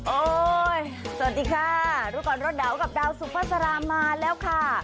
โอ้ยสวัสดีค่ะรูปรนรถดาวกับดาวสุฟาสารามมาแล้วค่ะ